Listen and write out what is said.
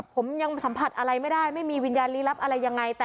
ผมยังสัมผัสอะไรไม่ได้ไม่มีวิญญาณลี้ลับอะไรยังไง